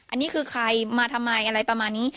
อันนี้คือใครมาทำไมอะไรประมาณนี้